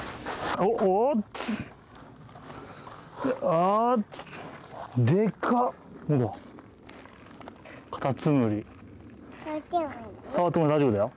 触っても大丈夫だよ。